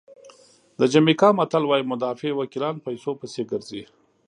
د جمیکا متل وایي مدافع وکیلان پیسو پسې ګرځي.